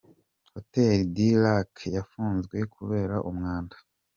Hotel du Lac yafunzwe kubera umwanda.